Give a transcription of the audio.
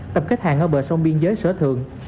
tập khách hàng ở bờ sông biên giới sở thượng